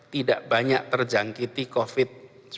tidak banyak terjangkiti covid sembilan belas